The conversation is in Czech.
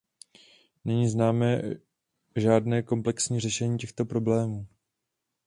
Není známé žádné komplexní řešení těchto problémů.